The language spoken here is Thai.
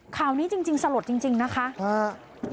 ข่าวนี้จริงจริงสลดจริงจริงนะคะฮึ